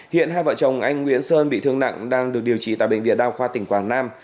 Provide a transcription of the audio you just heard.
hiện hai vợ chồng anh nguyễn sơn bị thương nặng đang được điều trị tại bệnh viện đa khoa tỉnh quảng nam